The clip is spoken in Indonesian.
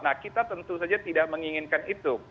nah kita tentu saja tidak menginginkan itu